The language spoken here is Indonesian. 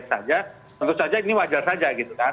kondisi wadas baik baik saja tentu saja ini wajar saja gitu kan